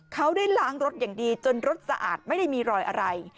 เขาได้ล้างรถอย่างดีจนรถสะอาดไม่ได้มีรอยอะไร